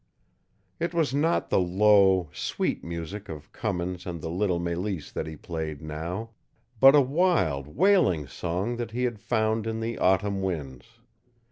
It was not the low, sweet music of Cummins and the little Mélisse that he played now, but a wild, wailing song that he had found in the autumn winds.